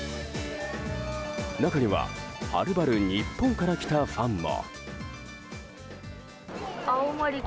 中にははるばる日本から来たファンも。